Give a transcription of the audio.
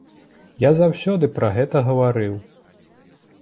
Я заўсёды пра гэта гаварыў.